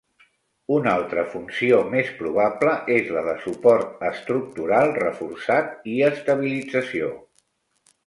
Una altra funció més probable és la de suport estructural reforçat i estabilització.